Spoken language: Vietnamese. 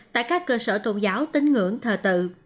tại các cơ sở tôn giáo tính ngưỡng thờ tự